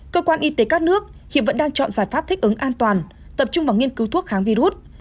cơ quan y tế các nước hiện vẫn đang chọn giải pháp thích ứng an toàn tập trung vào nghiên cứu thuốc kháng virus